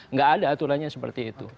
nggak ada aturannya seperti itu